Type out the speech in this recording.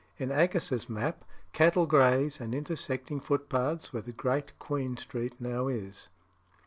In Aggas's map, cattle graze amid intersecting footpaths, where Great Queen Street now is.